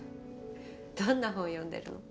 どんな本読んでるの？